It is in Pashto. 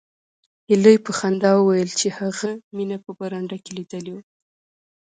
هیلې په خندا وویل چې هغه مینه په برنډه کې لیدلې وه